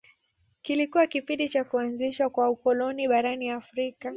Kilikuwa kipindi cha kuanzishwa kwa ukoloni barani Afrika